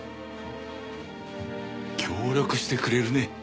協力してくれるね。